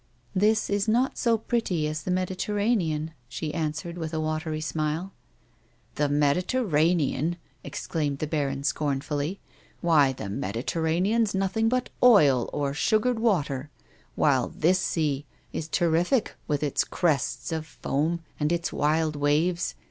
" This is not so pretty as the Mediterranean," she answered with a watery smile. " The Mediterranean !" exclaimed the baron scornfully. "Why, the Mediterranean's nothing but oil or sugared water, while this sea is terrific with its crests of foam and its wild waves.